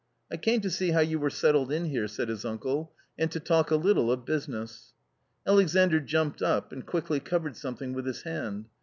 " I came to see how you were settled in here," said his uncle, " and to talk a little of business." Alexandr jumped up, and quickly covered something with his hand.